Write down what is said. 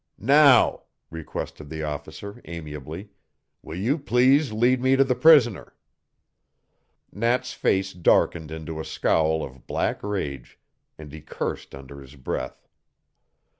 "Now," requested the officer amiably, "will you please lead me to the prisoner?" Nat's face darkened into a scowl of black rage, and he cursed under his breath.